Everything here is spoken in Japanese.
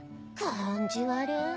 感じ悪。